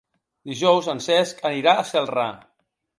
Dijous en Cesc anirà a Celrà.